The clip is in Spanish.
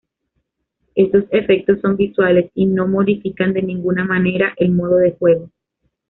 Estos efectos son visuales y no modifican de ninguna manera el modo de juego.